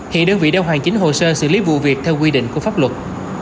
hiện đơn vị đang hoàn chính hồ sơ xử lý vụ việc theo quy định của pháp luật